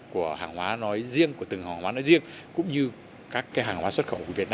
của hàng hóa nói riêng của từng hàng hóa nói riêng cũng như các cái hàng hóa xuất khẩu